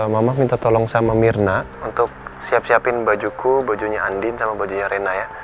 mama minta tolong sama mirna untuk siap siapin bajuku bajunya andin sama bajunya rena ya